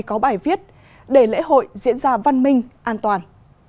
có bài viết để lễ hội diễn ra văn minh an toàn